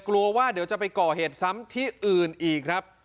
กลัวว่าเดี๋ยวจะไปก่อเหตุซ้ำที่อื่นอีกครับ